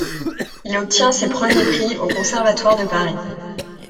Il obtient ses premiers prix au Conservatoire de Paris.